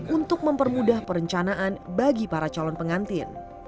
untuk mempermudah perencanaan bagi para calon pengantin